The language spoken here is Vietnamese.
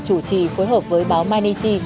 chủ trì phối hợp với báo mainichi